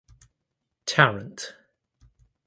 Tarrant.